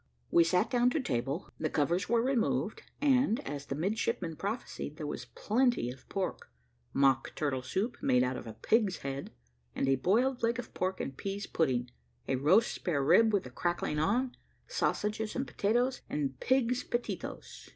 We sat down to table; the covers were removed, and, as the midshipmen prophesied, there was plenty of pork mock turtle soup, made out of a pig's head a boiled leg of pork and peas pudding a roast spare rib with the crackling on sausages and potatoes, and pig's pettitoes.